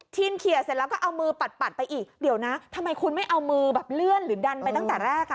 เคลียร์เสร็จแล้วก็เอามือปัดไปอีกเดี๋ยวนะทำไมคุณไม่เอามือแบบเลื่อนหรือดันไปตั้งแต่แรกอ่ะ